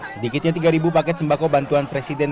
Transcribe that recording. sedikitnya tiga paket sembako bantuan presiden